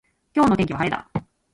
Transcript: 今日の天気は晴れだ。